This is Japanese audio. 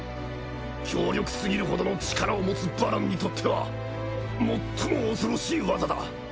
強力すぎるほどの力を持つバランにとっては最も恐ろしい技だ。